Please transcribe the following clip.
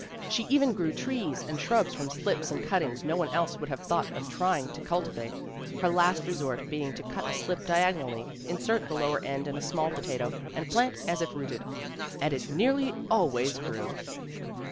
She even grew trees and shrubs from slips and cut tings no one else would have thought of trying to cul tivate, her last resort being to cut a slip diagonally, insert the lower end in a small potato, and plant as if rooted. And it nearly always grew